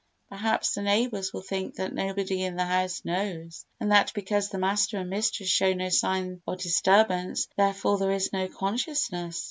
Perhaps the neighbours will think that nobody in the house knows, and that because the master and mistress show no sign of disturbance therefore there is no consciousness.